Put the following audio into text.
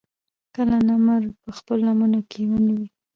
کله نمر پۀ خپلو لمنو کښې ونيوي